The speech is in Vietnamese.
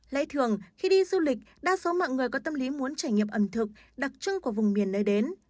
lễ thường khi đi du lịch đa số mọi người có tâm lý muốn trải nghiệm ẩm thực đặc trưng của vùng miền nơi đến